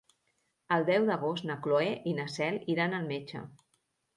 El deu d'agost na Cloè i na Cel iran al metge.